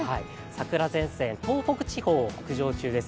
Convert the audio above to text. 桜前線、東北地方を北上中です。